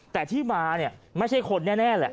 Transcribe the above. แต่ที่มาเนี่ยไม่ใช่คนแน่แหละ